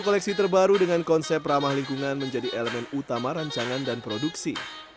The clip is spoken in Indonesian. koleksi terbaru dengan konsep ramah lingkungan menjadi elemen utama rancangan dan produksi